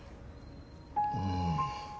うん。